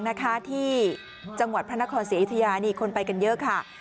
บางบัวทองที่จังหวัดพระนครเสียอิทยาคนไปกันเยอะค่ะ